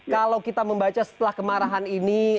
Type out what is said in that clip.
kalau kita membaca setelah kemarahan ini